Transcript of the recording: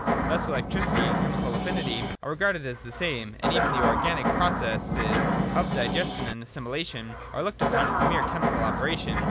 Thus electricity and chemical affinity are regarded as the same, and even the organic processes of digestion and assimilation are looked upon as a mere chemical operation.